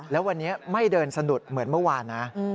แล้ววันนี้ไม่เดินสะดุดเหมือนเมื่อวานนะ